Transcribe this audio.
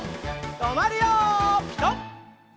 とまるよピタ！